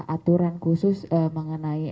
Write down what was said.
aturan khusus mengenai